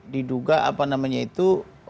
diduga apa namanya itu